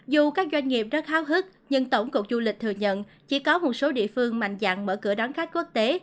dù các doanh nghiệp rất háo hức nhưng tổng cục du lịch thừa nhận chỉ có một số địa phương mạnh dạng mở cửa đón khách quốc tế